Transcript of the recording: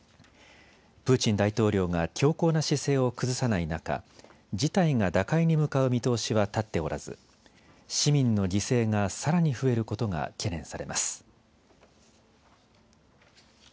プーチン大統領が強硬な姿勢を崩さない中、事態が打開に向かう見通しは立っておらず市民の犠牲がさらに増えることが懸念されます。